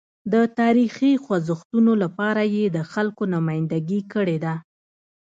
د تاریخي خوځښتونو لپاره یې د خلکو نمایندګي کړې ده.